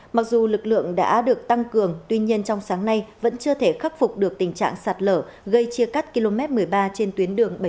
mặc dù lực lượng đã được tăng cường tuy nhiên trong sáng nay vẫn chưa thể khắc phục được tình trạng sạt lở gây chia cắt km một mươi ba trên tuyến đường bảy trăm bốn mươi